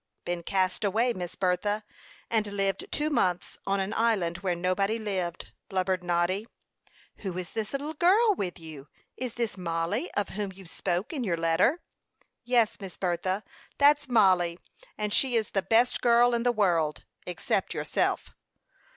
"Been cast away, Miss Bertha, and lived two months on an island where nobody lived," blubbered Noddy. "Who is this little girl with you? Is this Mollie, of whom you spoke in your letter?" "Yes, Miss Bertha, that's Mollie; and she is the best girl in the world, except yourself."